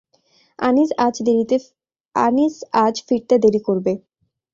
আনিস আজ ফিরতে দেরি করবে।